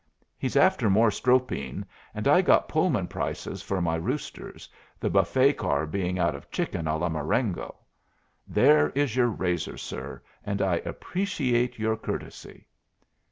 He's after more Stropine, and I got Pullman prices for my roosters, the buffet car being out of chicken a la Marengo. There is your razor, sir, and I appreciate your courtesy."